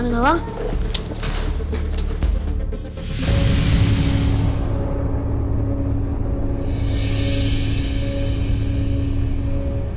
kamu selalu ngerjain